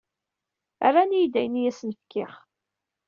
Rran-iyi-d ayen i asen-fkiɣ.